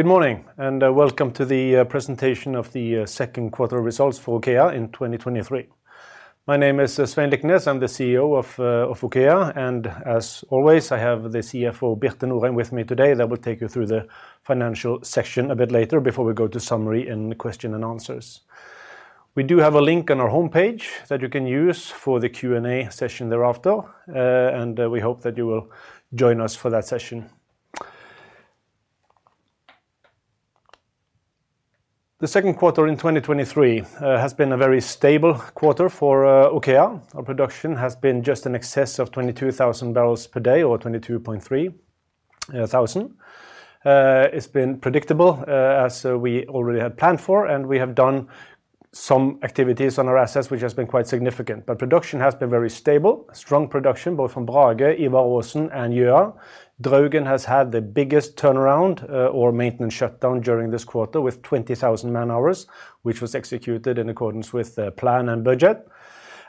Good morning, welcome to the presentation of the Second Quarter Results for OKEA in 2023. My name is Svein Liknes, I'm the CEO of OKEA, and as always, I have the CFO, Birte Norheim, with me today that will take you through the financial section a bit later before we go to summary and the question and answers. We do have a link on our homepage that you can use for the Q&A session thereafter, we hope that you will join us for that session. The second quarter in 2023 has been a very stable quarter for OKEA. Our production has been just in excess of 22,000 bbl per day, or 22.3 thousand. It's been predictable as we already had planned for. We have done some activities on our assets which has been quite significant. Production has been very stable. Strong production, both from Brage, Ivar Aasen, and Gjøa. Draugen has had the biggest turnaround or maintenance shutdown during this quarter, with 20,000 man-hours, which was executed in accordance with the plan and budget.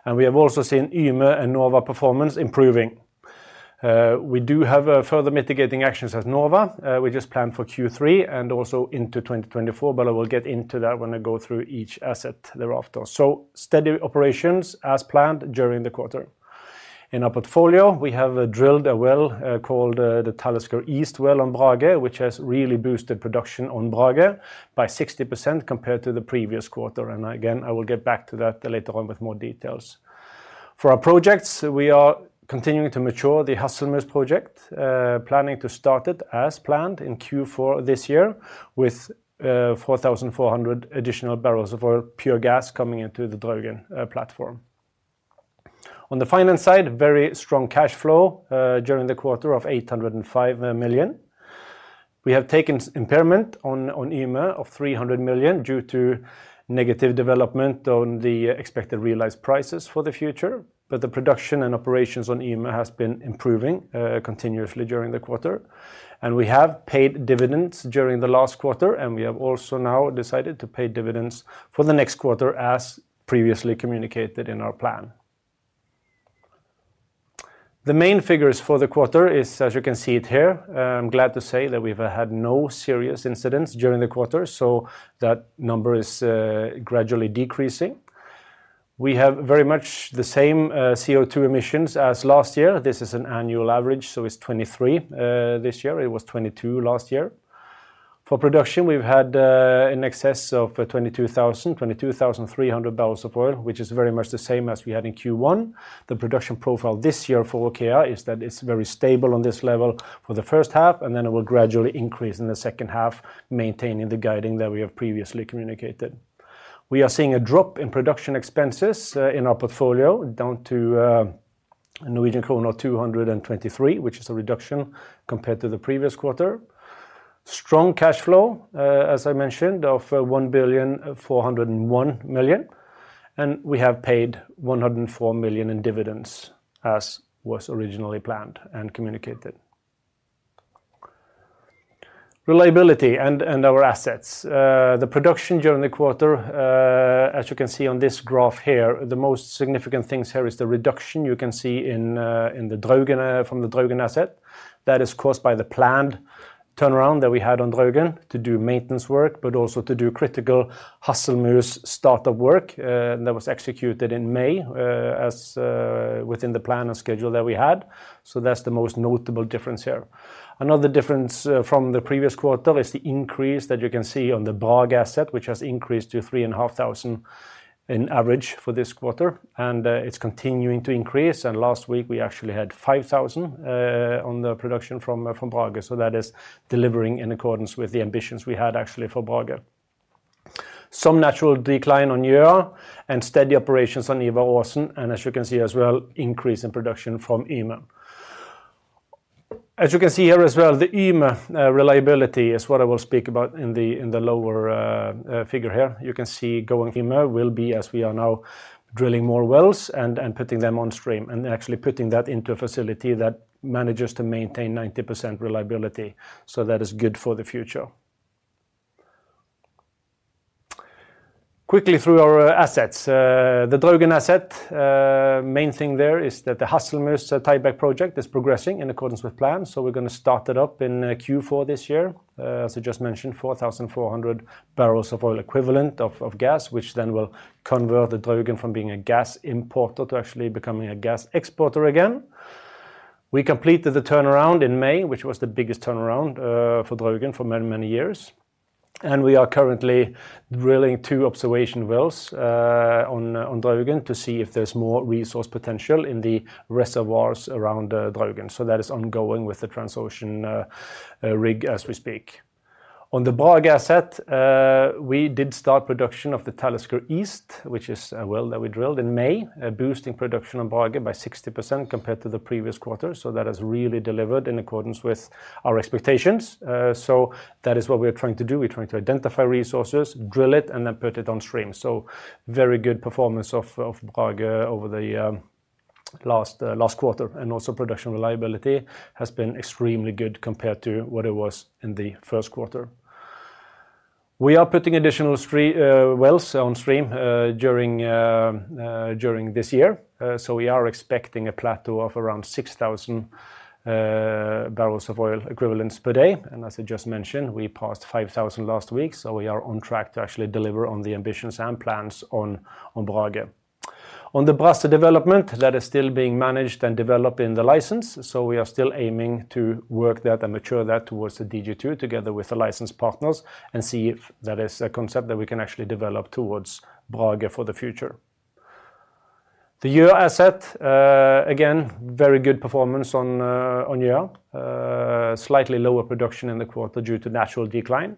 We have also seen Yme and Nova performance improving. We do have further mitigating actions at Nova, we just planned for Q3 and also into 2024, but I will get into that when I go through each asset thereafter. Steady operations as planned during the quarter. In our portfolio, we have drilled a well, called the Talisker East well on Brage, which has really boosted production on Brage by 60% compared to the previous quarter, and again, I will get back to that later on with more details. For our projects, we are continuing to mature the Hasselmus project, planning to start it as planned in Q4 this year, with 4,400 additional bbl of oil, pure gas coming into the Draugen platform. On the finance side, very strong cash flow during the quarter of 805 million. We have taken impairment on Yme of 300 million due to negative development on the expected realized prices for the future, but the production and operations on Yme has been improving continuously during the quarter. We have paid dividends during the last quarter, and we have also now decided to pay dividends for the next quarter, as previously communicated in our plan. The main figures for the quarter is, as you can see it here, I'm glad to say that we've had no serious incidents during the quarter, so that number is gradually decreasing. We have very much the same CO2 emissions as last year. This is an annual average, so it's 23 this year. It was 22 last year. For production, we've had in excess of 22,300 bbl of oil, which is very much the same as we had in Q1. The production profile this year for OKEA is that it's very stable on this level for the first half. Then it will gradually increase in the second half, maintaining the guiding that we have previously communicated. We are seeing a drop in production expenses in our portfolio, down to Norwegian krone 223, which is a reduction compared to the previous quarter. Strong cash flow, as I mentioned, of 1,401 million. We have paid 104 million in dividends, as was originally planned and communicated. Reliability and our assets. The production during the quarter, as you can see on this graph here, the most significant things here is the reduction you can see in the Draugen from the Draugen asset. That is caused by the planned turnaround that we had on Draugen to do maintenance work, but also to do critical Hasselmus startup work that was executed in May as within the plan and schedule that we had. That's the most notable difference here. Another difference from the previous quarter is the increase that you can see on the Brage asset, which has increased to 3,500 in average for this quarter, it's continuing to increase, and last week we actually had 5,000 on the production from Brage. That is delivering in accordance with the ambitions we had actually for Brage. Some natural decline on Gjøa and steady operations on Ivar Aasen, as you can see as well, increase in production from Yme. As you can see here as well, the Yme reliability is what I will speak about in the lower figure here. You can see going Yme will be as we are now, drilling more wells and putting them on stream, and actually putting that into a facility that manages to maintain 90% reliability. That is good for the future. Quickly through our assets. The Draugen asset, main thing there is that the Hasselmus tieback project is progressing in accordance with plans, so we're gonna start it up in Q4 this year. As I just mentioned, 4,400 bbl of oil equivalent of gas, which then will convert the Draugen from being a gas importer to actually becoming a gas exporter again. We completed the turnaround in May, which was the biggest turnaround for Draugen for many, many years. We are currently drilling two observation wells on Draugen to see if there's more resource potential in the reservoirs around Draugen. That is ongoing with the Transocean rig as we speak. On the Brage asset, we did start production of the Talisker East, which is a well that we drilled in May, boosting production on Brage by 60% compared to the previous quarter. That has really delivered in accordance with our expectations. That is what we are trying to do. We're trying to identify resources, drill it, and then put it on stream. Very good performance of Brage over the last quarter, and also production reliability has been extremely good compared to what it was in the first quarter. We are putting additional three wells on stream during this year. We are expecting a plateau of around 6,000 bbl of oil equivalents per day. As I just mentioned, we passed 5,000 last week, so we are on track to actually deliver on the ambitions and plans on Brage. On the Brage development, that is still being managed and developed in the license, so we are still aiming to work that and mature that towards the DGII, together with the license partners, and see if that is a concept that we can actually develop towards Brage for the future. The Yme asset, again, very good performance on Yme. Slightly lower production in the quarter due to natural decline,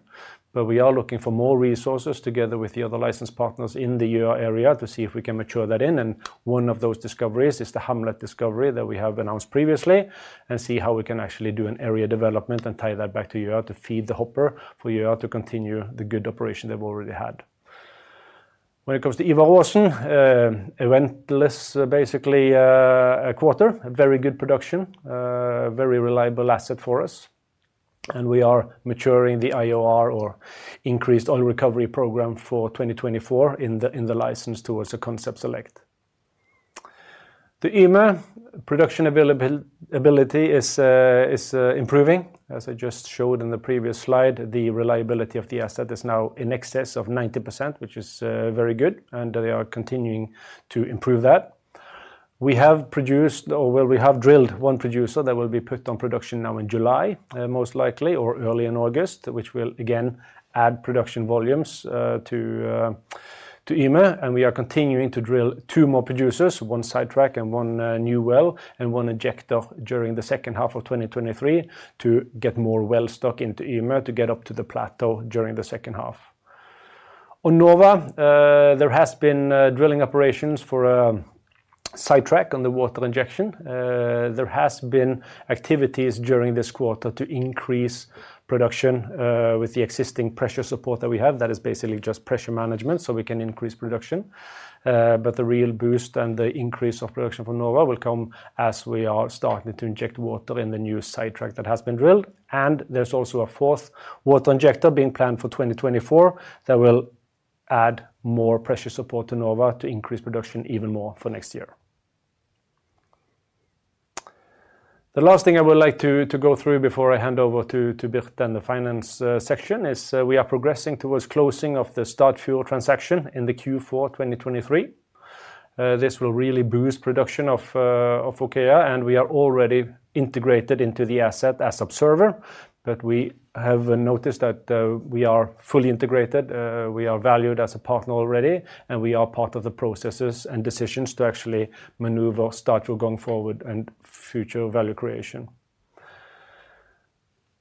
but we are looking for more resources together with the other license partners in the Yme area to see if we can mature that in. One of those discoveries is the Hamlet discovery that we have announced previously, and see how we can actually do an area development and tie that back to Yme to feed the hopper for Yme to continue the good operation they've already had. When it comes to Ivar Aasen, eventless, basically, quarter. A very good production, very reliable asset for us, and we are maturing the IOR, or increased oil recovery program, for 2024 in the license towards a concept select. The Yme production availability is improving. As I just showed in the previous slide, the reliability of the asset is now in excess of 90%, which is very good, and they are continuing to improve that. We have produced, or well, we have drilled one producer that will be put on production now in July, most likely, or early in August, which will again add production volumes to Yme. We are continuing to drill two more producers, one sidetrack and one new well, and one injector during the second half of 2023 to get more well stock into Yme to get up to the plateau during the second half. On Nova, there has been drilling operations for sidetrack on the water injection. There has been activities during this quarter to increase production with the existing pressure support that we have. That is basically just pressure management so we can increase production. The real boost and the increase of production for Nova will come as we are starting to inject water in the new sidetrack that has been drilled. There's also a fourth water injector being planned for 2024 that will add more pressure support to Nova to increase production even more for next year. The last thing I would like to go through before I hand over to Birte and the finance section is we are progressing towards closing of the Statfjord transaction in the Q4 2023. This will really boost production of OKEA, and we are already integrated into the asset as observer. We have noticed that we are fully integrated, we are valued as a partner already, and we are part of the processes and decisions to actually maneuver Statfjord going forward and future value creation.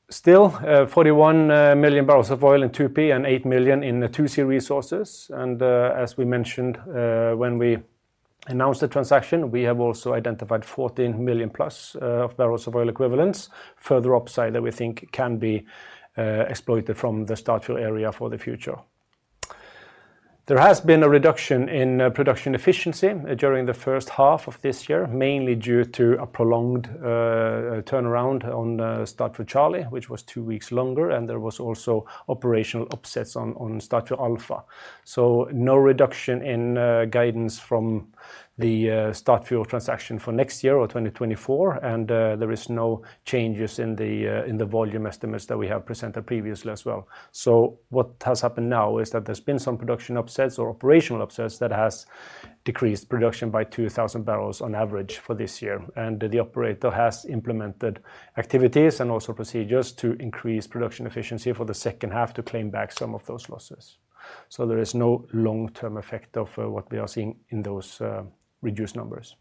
Still, 41 million bbl of oil in 2P and 8 million in the 2C resources. As we mentioned, when we announced the transaction, we have also identified 14 million+ of bbl of oil equivalents, further upside that we think can be exploited from the Statfjord area for the future. There has been a reduction in production efficiency during the first half of this year, mainly due to a prolonged turnaround on Statfjord C, which was two weeks longer, and there was also operational upsets on Statfjord A. No reduction in guidance from the Statfjord transaction for next year or 2024, and there is no changes in the volume estimates that we have presented previously as well. What has happened now is that there's been some production upsets or operational upsets that has decreased production by 2,000 bbl on average for this year. The operator has implemented activities and also procedures to increase production efficiency for the second half to claim back some of those losses. There is no long-term effect of what we are seeing in those reduced numbers.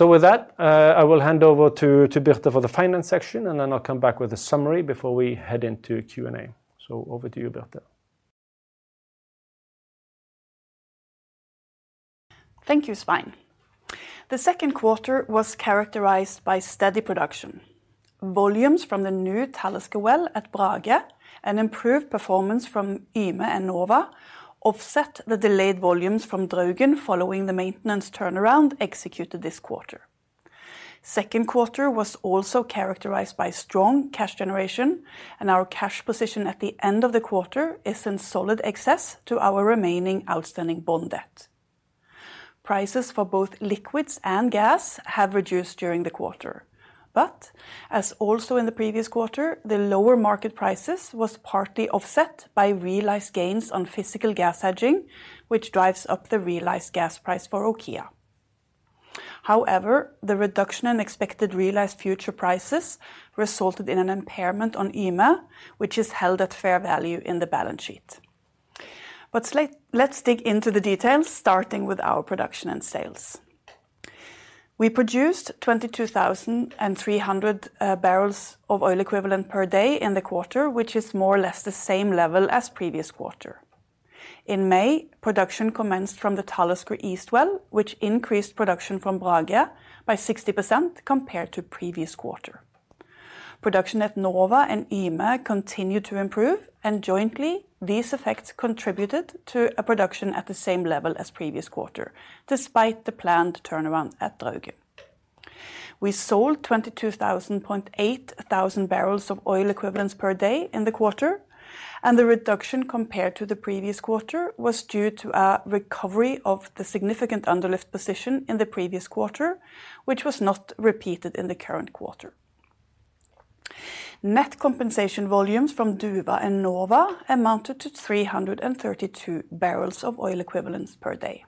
With that, I will hand over to Birte for the finance section, and then I'll come back with a summary before we head into Q&A. Over to you, Birte. Thank you, Svein. The second quarter was characterized by steady production. Volumes from the new Talisker well at Brage and improved performance from Yme and Nova offset the delayed volumes from Draugen following the maintenance turnaround executed this quarter. Second quarter was also characterized by strong cash generation, and our cash position at the end of the quarter is in solid excess to our remaining outstanding bond debt. Prices for both liquids and gas have reduced during the quarter, but as also in the previous quarter, the lower market prices was partly offset by realized gains on physical gas hedging, which drives up the realized gas price for OKEA. However, the reduction in expected realized future prices resulted in an impairment on Yme, which is held at fair value in the balance sheet. Let's dig into the details, starting with our production and sales. We produced 22,300 bbl of oil equivalent per day in the quarter, which is more or less the same level as previous quarter. In May, production commenced from the Talisker East well, which increased production from Brage by 60% compared to previous quarter. Production at Nova and Yme continued to improve, jointly, these effects contributed to a production at the same level as previous quarter, despite the planned turnaround at Draugen. We sold 22,800 bbl of oil equivalents per day in the quarter, the reduction compared to the previous quarter was due to a recovery of the significant underlift position in the previous quarter, which was not repeated in the current quarter. Net compensation volumes from Duva and Nova amounted to 332 bbl of oil equivalents per day.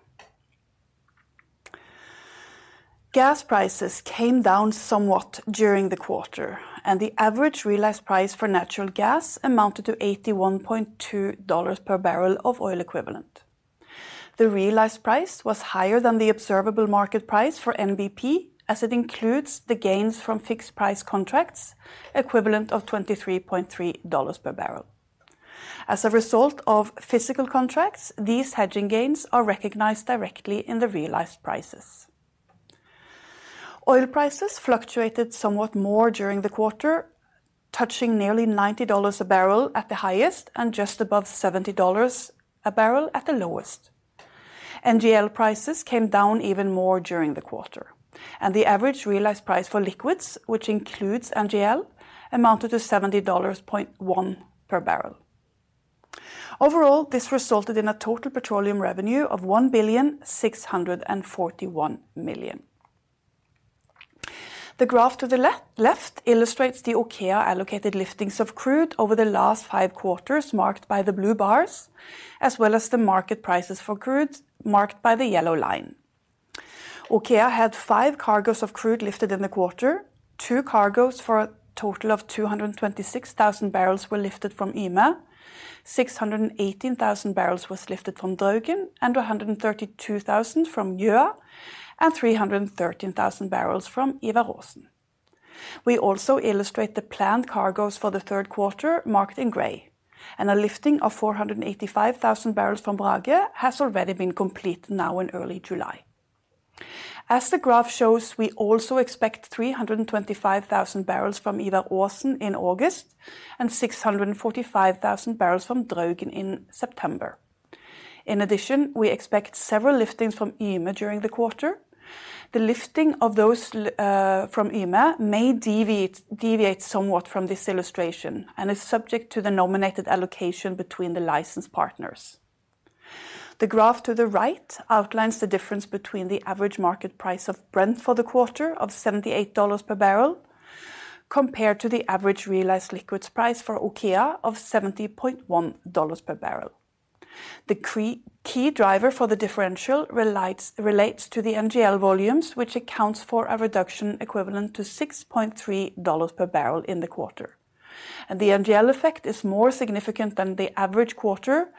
Gas prices came down somewhat during the quarter, and the average realized price for natural gas amounted to $81.2 per bbl of oil equivalent. The realized price was higher than the observable market price for NBP, as it includes the gains from fixed price contracts equivalent of $23.3 per bbl. As a result of physical contracts, these hedging gains are recognized directly in the realized prices. Oil prices fluctuated somewhat more during the quarter, touching nearly $90 a bbl at the highest, and just above $70 a bbl at the lowest. NGL prices came down even more during the quarter, and the average realized price for liquids, which includes NGL, amounted to $70.1 per bbl. Overall, this resulted in a total petroleum revenue of $1,641 million. The graph to the left illustrates the OKEA allocated liftings of crude over the last five quarters, marked by the blue bars, as well as the market prices for crude, marked by the yellow line. OKEA had five cargos of crude lifted in the quarter. Two cargos for a total of 226,000 bbl were lifted from Yme, 618,000 bbl was lifted from Draugen, and 132,000 from Gjøa, and 313,000 bbl from Ivar Aasen. We also illustrate the planned cargos for the third quarter, marked in gray, and a lifting of 485,000 bbl from Brage has already been completed now in early July. As the graph shows, we also expect 325,000 bbl from Ivar Aasen in August, and 645,000 bbl from Draugen in September. In addition, we expect several liftings from Yme during the quarter. The lifting of those from Yme may deviate somewhat from this illustration, and is subject to the nominated allocation between the licensed partners. The graph to the right outlines the difference between the average market price of Brent for the quarter of $78 per bbl, compared to the average realized liquids price for OKEA of $70.1 per bbl. The key driver for the differential relates to the NGL volumes, which accounts for a reduction equivalent to $6.3 per bbl in the quarter. The NGL effect is more significant than the average quarter,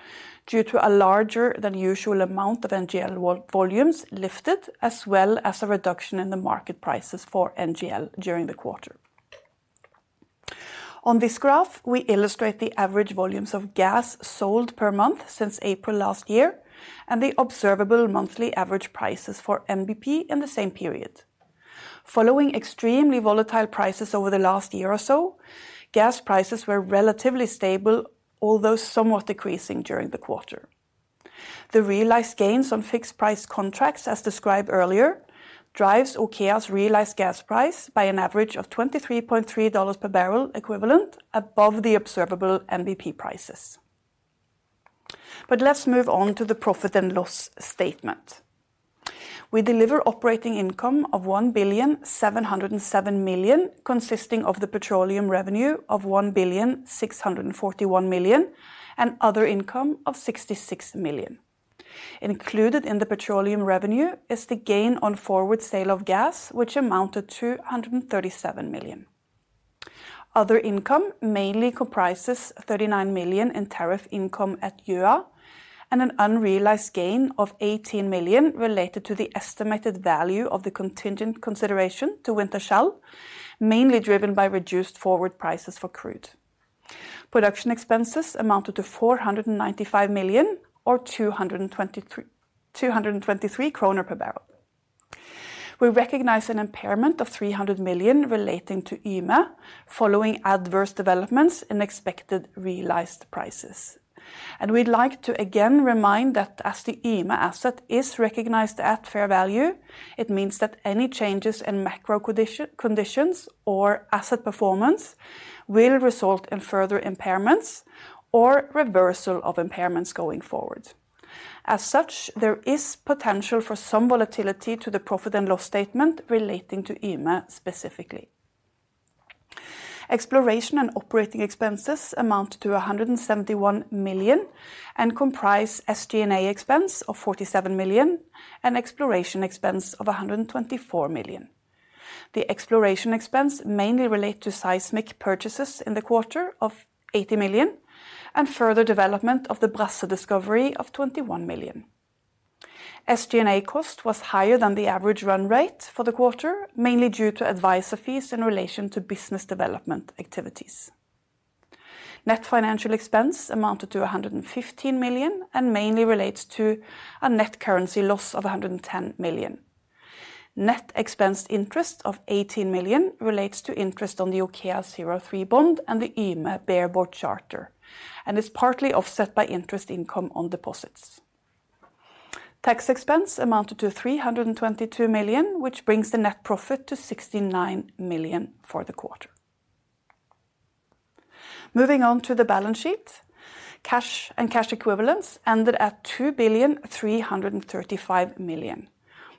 due to a larger than usual amount of NGL volumes lifted, as well as a reduction in the market prices for NGL during the quarter. On this graph, we illustrate the average volumes of gas sold per month since April last year, and the observable monthly average prices for NBP in the same period. Following extremely volatile prices over the last year or so, gas prices were relatively stable, although somewhat decreasing during the quarter. The realized gains on fixed price contracts, as described earlier, drives OKEA's realized gas price by an average of $23.3 per bbl equivalent above the observable NBP prices. Let's move on to the profit and loss statement. We deliver operating income of 1,707 million, consisting of the petroleum revenue of 1,641 million, and other income of 66 million. Included in the petroleum revenue is the gain on forward sale of gas, which amounted to 137 million. Other income mainly comprises 39 million in tariff income at Gjøa, and an unrealized gain of 18 million related to the estimated value of the contingent consideration to Wintershall, mainly driven by reduced forward prices for crude. Production expenses amounted to 495 million or 223 kroner per bbl. We recognize an impairment of 300 million relating to Yme, following adverse developments in expected realized prices. We'd like to again remind that as the Yme asset is recognized at fair value, it means that any changes in macro conditions or asset performance will result in further impairments or reversal of impairments going forward. As such, there is potential for some volatility to the profit and loss statement relating to Yme, specifically. Exploration and operating expenses amount to 171 million, and comprise SG&A expense of 47 million, and exploration expense of 124 million. The exploration expense mainly relate to seismic purchases in the quarter of 80 million, and further development of the Brage discovery of 21 million. SG&A cost was higher than the average run rate for the quarter, mainly due to advisor fees in relation to business development activities. Net financial expense amounted to 115 million, and mainly relates to a net currency loss of 110 million. Net expense interest of 18 million relates to interest on the OKEA03 bond and the Yme bareboat charter, and is partly offset by interest income on deposits. Tax expense amounted to 322 million, which brings the net profit to 69 million for the quarter. Moving on to the balance sheet. Cash and cash equivalents ended at 2,335 million.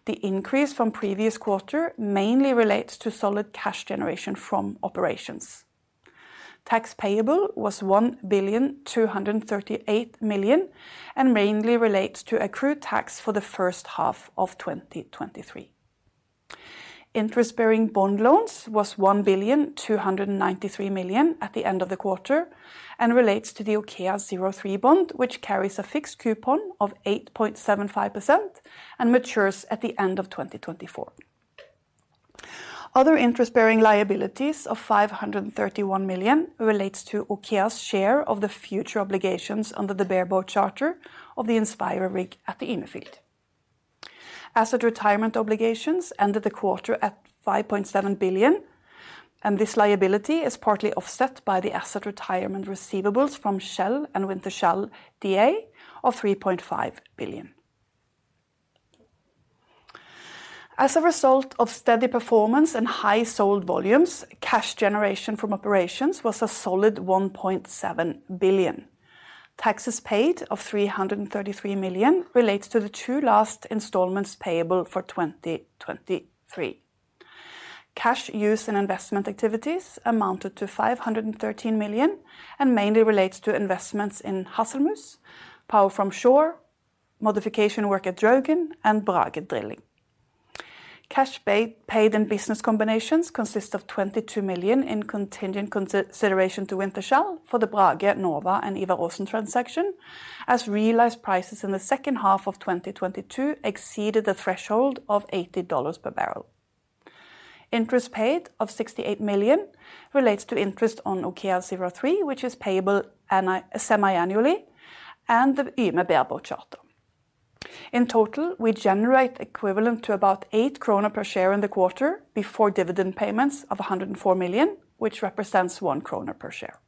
The increase from previous quarter mainly relates to solid cash generation from operations. Tax payable was 1,238 million, and mainly relates to accrued tax for the first half of 2023. Interest-bearing bond loans was 1,293 million at the end of the quarter. Relates to the OKEA03 bond, which carries a fixed coupon of 8.75% and matures at the end of 2024. Other interest-bearing liabilities of 531 million relates to OKEA's share of the future obligations under the bareboat charter of the Mærsk Inspirer rig at the Yme field. Asset retirement obligations ended the quarter at 5.7 billion. This liability is partly offset by the asset retirement receivables from Shell and Wintershall Dea of NOK 3.5 billion. As a result of steady performance and high sold volumes, cash generation from operations was a solid 1.7 billion. Taxes paid of 333 million relates to the two last installments payable for 2023. Cash used in investment activities amounted to 513 million, mainly relates to investments in Hasselmus, Power from Shore, modification work at Draugen, and Brage Drilling. Cash paid in business combinations consist of 22 million in contingent consideration to Wintershall for the Brage, Nova, and Ivar Aasen transaction, as realized prices in the second half of 2022 exceeded the threshold of $80 per bbl. Interest paid of 68 million relates to interest on OKEA03, which is payable semiannually, and the Yme bareboat charter. In total, we generate equivalent to about 8 krone per share in the quarter before dividend payments of 104 million, which represents 1 krone per share.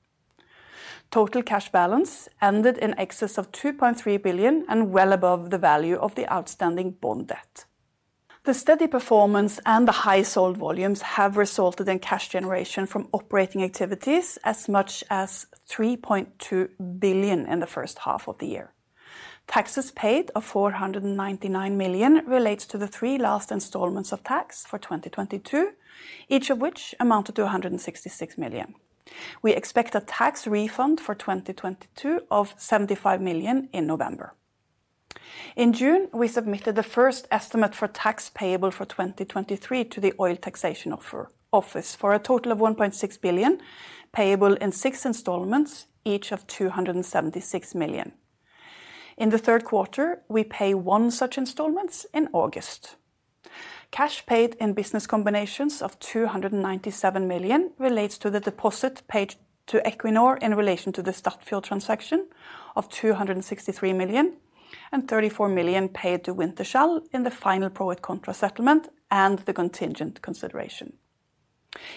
Total cash balance ended in excess of 2.3 billion and well above the value of the outstanding bond debt. The steady performance and the high sold volumes have resulted in cash generation from operating activities as much as 3.2 billion in the first half of the year. Taxes paid of 499 million relates to the three last installments of tax for 2022, each of which amounted to 166 million. We expect a tax refund for 2022 of 75 million in November. In June, we submitted the first estimate for tax payable for 2023 to the Oil Taxation Office for a total of 1.6 billion, payable in six installments, each of 276 million. In the third quarter, we pay one such installments in August. Cash paid in business combinations of 297 million relates to the deposit paid to Equinor in relation to the Statfjord transaction of 263 million, and 34 million paid to Wintershall in the final pro rata contra settlement and the contingent consideration.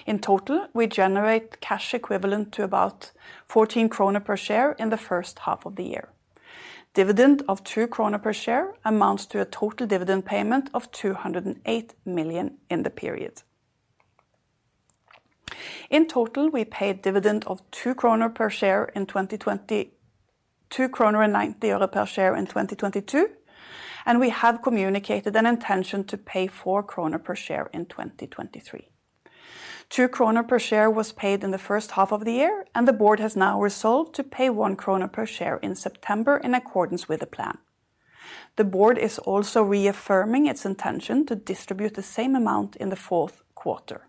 In total, we generate cash equivalent to about 14 krone per share in the first half of the year. Dividend of 2 krone per share amounts to a total dividend payment of 208 million in the period. We paid dividend of 2 krone and 0.90 euro per share in 2022, and we have communicated an intention to pay 4 krone per share in 2023. 2 kroner per share was paid in the first half of the year. The board has now resolved to pay 1 kroner per share in September, in accordance with the plan. The board is also reaffirming its intention to distribute the same amount in the fourth quarter.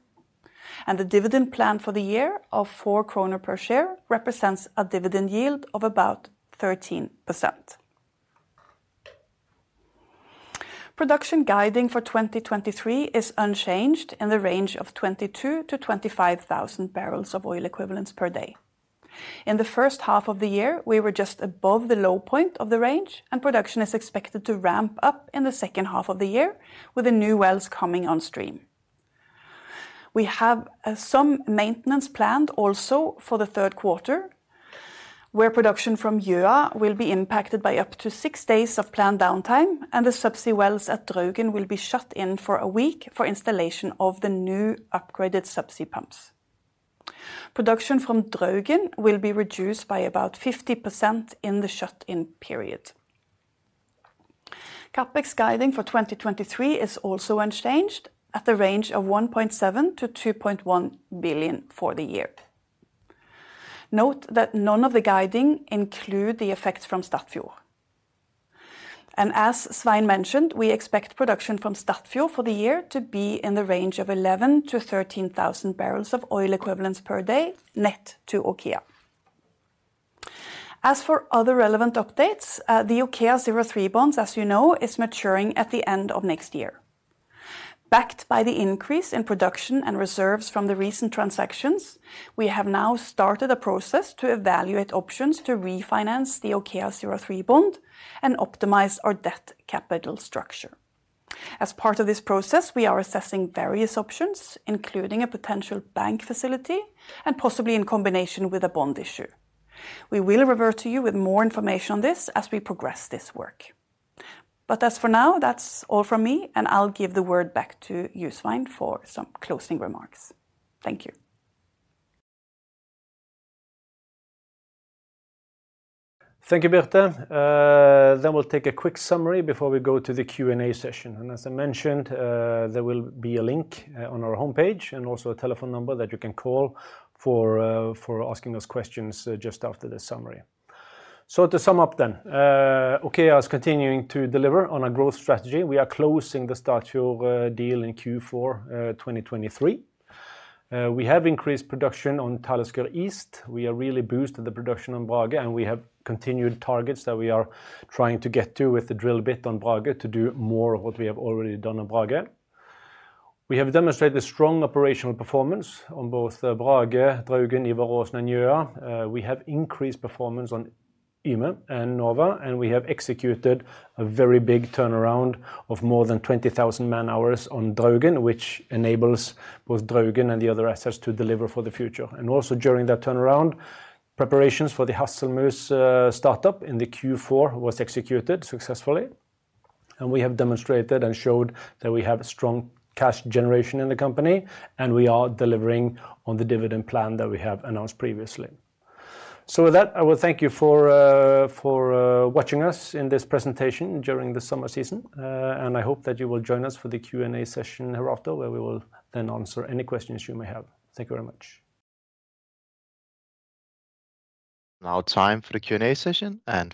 The dividend plan for the year of 4 kroner per share represents a dividend yield of about 13%. Production guiding for 2023 is unchanged in the range of 22,000-25,000 bbl of oil equivalent per day. In the first half of the year, we were just above the low point of the range. Production is expected to ramp up in the second half of the year with the new wells coming on stream. We have some maintenance planned also for the third quarter, where production from Gjøa will be impacted by up to six days of planned downtime, and the subsea wells at Draugen will be shut in for a week for installation of the new upgraded subsea pumps. Production from Draugen will be reduced by about 50% in the shut-in period. CapEx guiding for 2023 is also unchanged at the range of 1.7 billion-2.1 billion for the year. Note that none of the guiding include the effects from Statfjord. As Svein mentioned, we expect production from Statfjord for the year to be in the range of 11,000-13,000 bbl of oil equivalents per day, net to OKEA. As for other relevant updates, the OKEA03 bonds, as you know, is maturing at the end of next year. Backed by the increase in production and reserves from the recent transactions, we have now started a process to evaluate options to refinance the OKEA03 bond and optimize our debt capital structure. As part of this process, we are assessing various options, including a potential bank facility, and possibly in combination with a bond issue. We will revert to you with more information on this as we progress this work. As for now, that's all from me, and I'll give the word back to you, Svein, for some closing remarks. Thank you. Thank you, Birte. Then we'll take a quick summary before we go to the Q&A session. As I mentioned, there will be a link on our homepage and also a telephone number that you can call for asking us questions just after the summary. To sum up then, OKEA is continuing to deliver on a growth strategy. We are closing the Statfjord deal in Q4 2023. We have increased production on Talisker East. We are really boosting the production on Brage, and we have continued targets that we are trying to get to with the drill bit on Brage to do more of what we have already done on Brage. We have demonstrated a strong operational performance on both Brage, Draugen, Ivar Aasen, and Yme. We have increased performance on Yme and Nova, and we have executed a very big turnaround of more than 20,000 man-hours on Draugen, which enables both Draugen and the other assets to deliver for the future. Also during that turnaround, preparations for the Hasselmus startup in the Q4 was executed successfully. We have demonstrated and showed that we have strong cash generation in the company, and we are delivering on the dividend plan that we have announced previously. With that, I will thank you for watching us in this presentation during the summer season. I hope that you will join us for the Q&A session hereafter, where we will then answer any questions you may have. Thank you very much.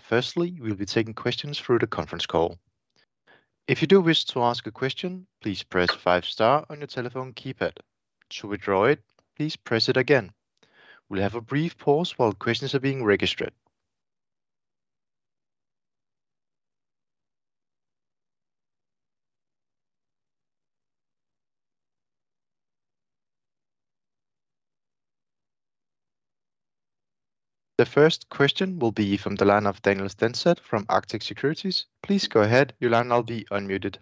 Firstly, we'll be taking questions through the conference call. If you do wish to ask a question, please press five star on your telephone keypad. To withdraw it, please press it again. We'll have a brief pause while questions are being registered. The first question will be from the line of Daniel Stenslet from Arctic Securities. Please go ahead. Your line now be unmuted.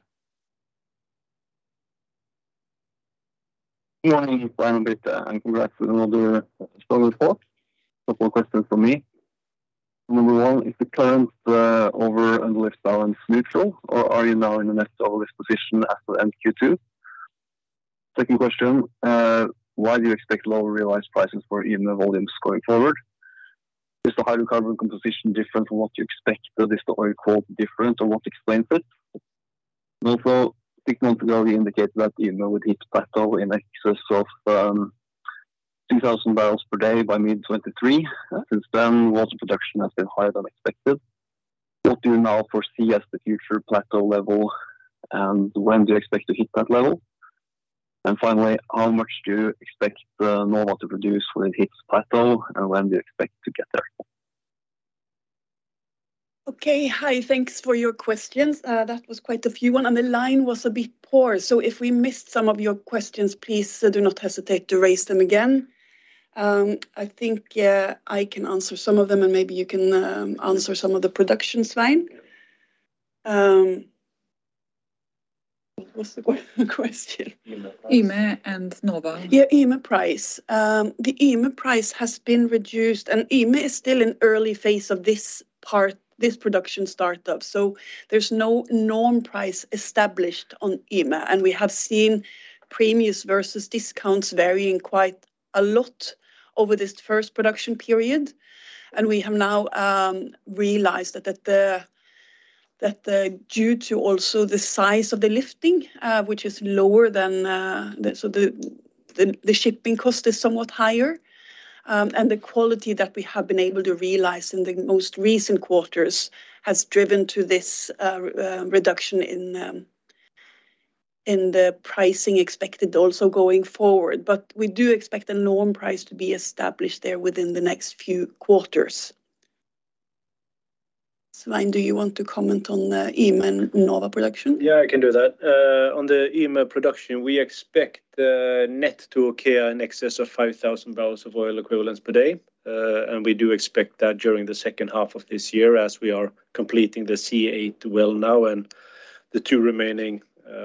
Good morning, Svein and Birte, and congrats on another strong report. Couple questions from me. Number one, is the current over and lift balance neutral, or are you now in a net overlift position after the end Q2? Second question, why do you expect lower realized prices for Yme volumes going forward? Is the hydrocarbon composition different from what you expect, or is the oil quote different, or what explains it? Also, signal to go indicates that Yme would hit plateau in excess of 2,000 bbl per day by mid-2023. Since then, water production has been higher than expected. What do you now foresee as the future plateau level, and when do you expect to hit that level? Finally, how much do you expect Nova to produce when it hits plateau, and when do you expect to get there? Okay, hi, thanks for your questions. That was quite a few, one, and the line was a bit poor. If we missed some of your questions, please do not hesitate to raise them again. I think I can answer some of them, and maybe you can answer some of the production, Svein. What was the question? Yme and Nova. Yeah, Yme price. The Yme price has been reduced. Yme is still in early phase of this production startup. There's no norm price established on Yme. We have seen premiums versus discounts varying quite a lot over this first production period. We have now realized that the due to also the size of the lifting, which is lower than the shipping cost is somewhat higher. The quality that we have been able to realize in the most recent quarters has driven to this reduction in the pricing expected also going forward. We do expect a norm price to be established there within the next few quarters. Svein, do you want to comment on the Yme and Nova production? Yeah, I can do that. On the Yme production, we expect the net to OKEA in excess of 5,000 bbl of oil equivalents per day. We do expect that during the second half of this year, as we are completing the C8 well now, and the two remaining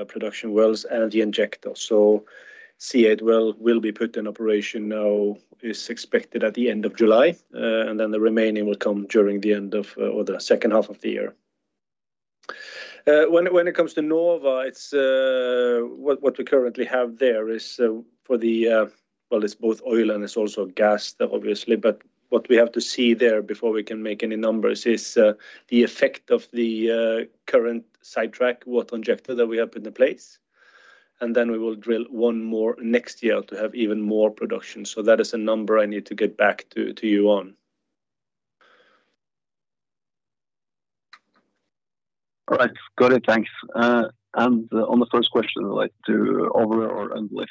production wells and the injector. C8 well will be put in operation now, is expected at the end of July, and then the remaining will come during the end of, or the second half of the year. When it comes to Nova, it's what we currently have there is for the well, it's both oil and it's also gas, obviously. What we have to see there before we can make any numbers is the effect of the current sidetrack, water injector that we have in the place, and then we will drill one more next year to have even more production. That is a number I need to get back to you on. All right. Got it, thanks. On the first question, I'd like to over or and lift.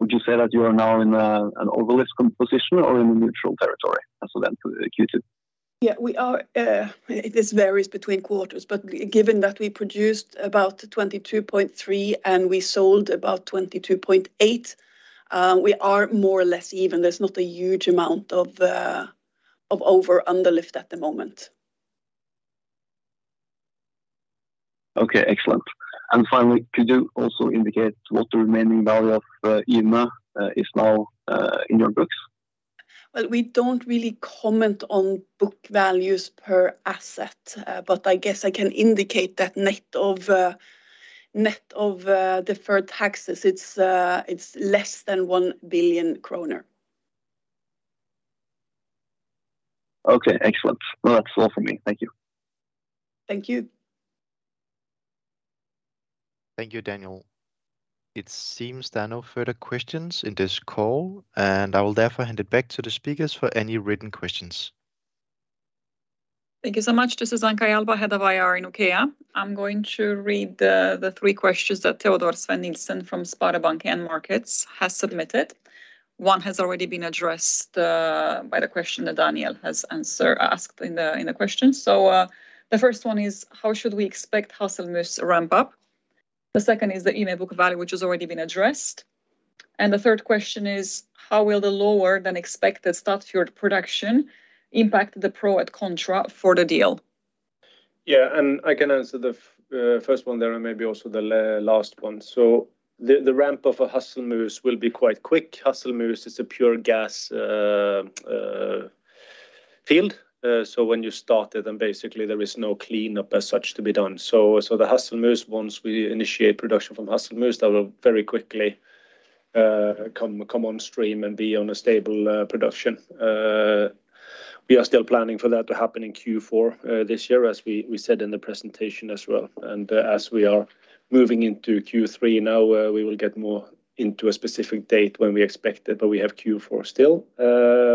Would you say that you are now in an overlift composition or in a neutral territory, and so then to the Q2? Yeah, we are, this varies between quarters, but given that we produced about 22.3, and we sold about 22.8, we are more or less even. There's not a huge amount of over under lift at the moment. Okay, excellent. Finally, could you also indicate what the remaining value of Yme is now in your books? We don't really comment on book values per asset, but I guess I can indicate that net of deferred taxes, it's less than 1 billion kroner. Okay, excellent. That's all for me. Thank you. Thank you. Thank you, Daniel. It seems there are no further questions in this call. I will therefore hand it back to the speakers for any written questions. Thank you so much. This is Anca Jalba, Head of IR in OKEA. I'm going to read the three questions that Teodor Sveen-Nilsen from SpareBank 1 Markets has submitted. One has already been addressed by the question that Daniel has asked in the question. The first one is, how should we expect Hasselmus ramp up? The second is the Yme book value, which has already been addressed. The third question is, how will the lower-than-expected Statfjord production impact the pro et contra for the deal? Yeah, I can answer the first one there and maybe also the last one. The ramp of a Hasselmus will be quite quick. Hasselmus is a pure gas field. When you start it, then basically there is no cleanup as such to be done. The Hasselmus, once we initiate production from Hasselmus, that will very quickly come on stream and be on a stable production. We are still planning for that to happen in Q4 this year, as we said in the presentation as well. As we are moving into Q3 now, we will get more into a specific date when we expect it, but we have Q4 still.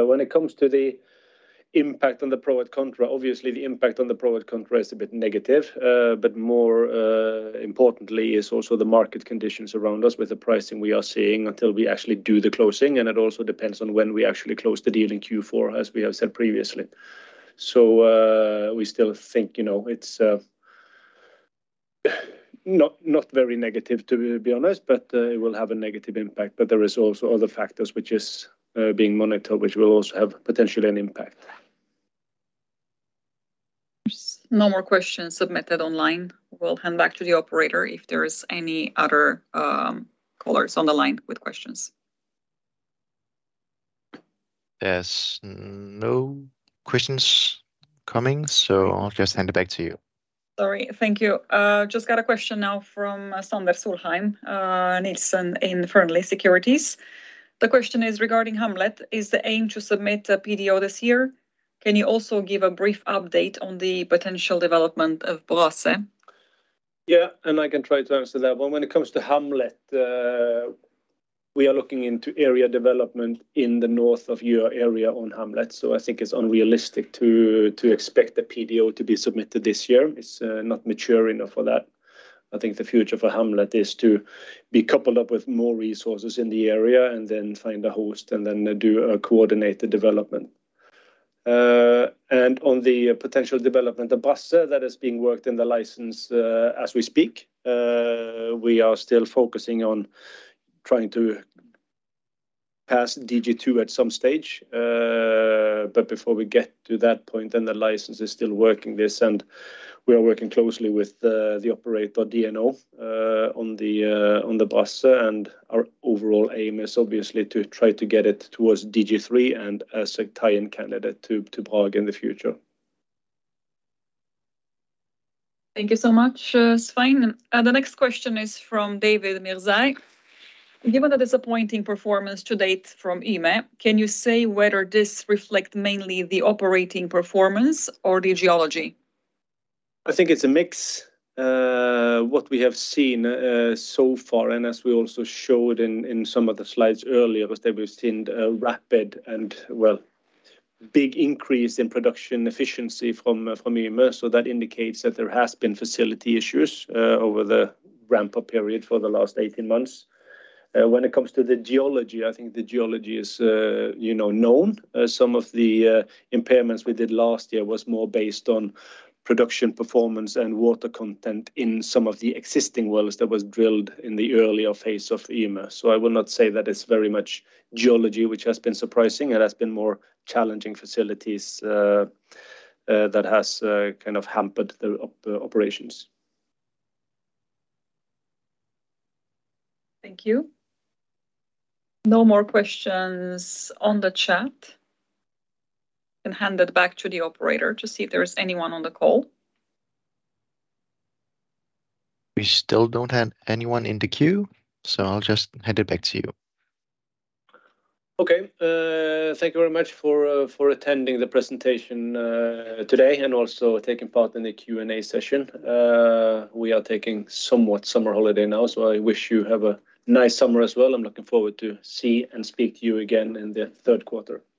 When it comes to the impact on the pro et contra, obviously, the impact on the pro et contra is a bit negative, but more importantly, is also the market conditions around us with the pricing we are seeing until we actually do the closing, and it also depends on when we actually close the deal in Q4, as we have said previously. We still think, you know, it's not very negative, to be honest, but it will have a negative impact. There is also other factors which is being monitored, which will also have potentially an impact. There's no more questions submitted online. We'll hand back to the operator if there is any other callers on the line with questions. There's no questions coming, so I'll just hand it back to you. Sorry. Thank you. Just got a question now from Sander Solheim Nilsen in Fearnley Securities. The question is regarding Hamlet: Is the aim to submit a PDO this year? Can you also give a brief update on the potential development of Brage? I can try to answer that one. When it comes to Hamlet, we are looking into area development in the north of your area on Hamlet, so I think it's unrealistic to expect the PDO to be submitted this year. It's not mature enough for that. I think the future for Hamlet is to be coupled up with more resources in the area and then find a host and then do a coordinated development. On the potential development of Brage, that is being worked in the license as we speak. We are still focusing on trying to pass DGII at some stage. Before we get to that point, then the license is still working this, and we are working closely with the operator, DNO, on the Brage. Our overall aim is obviously to try to get it towards DGIII and as a tie-in candidate to Brage in the future. Thank you so much, Svein. The next question is from David Mirzai: Given the disappointing performance to date from Yme, can you say whether this reflect mainly the operating performance or the geology? I think it's a mix. What we have seen so far, and as we also showed in some of the slides earlier, was that we've seen a rapid and well, big increase in production efficiency from Yme. That indicates that there has been facility issues over the ramp-up period for the last 18 months. When it comes to the geology, I think the geology is, you know, known. Some of the impairments we did last year was more based on production, performance, and water content in some of the existing wells that was drilled in the earlier phase of Yme. I will not say that it's very much geology, which has been surprising. It has been more challenging facilities that has kind of hampered the operations. Thank you. No more questions on the chat. I can hand it back to the operator to see if there is anyone on the call. We still don't have anyone in the queue, so I'll just hand it back to you. Thank you very much for attending the presentation today and also taking part in the Q&A session. We are taking somewhat summer holiday now. I wish you have a nice summer as well. I'm looking forward to see and speak to you again in the third quarter. Bye-bye.